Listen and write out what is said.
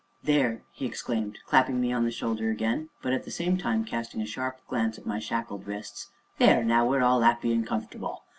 "There!" he exclaimed, clapping me on the shoulder again, but at the same time casting a sharp glance at my shackled wrists "there now we're all 'appy an' comfortable!